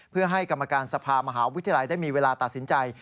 เพื่อให้กรรมการสภามหาวิทยาลัยได้มีเวลาตัดสินใจ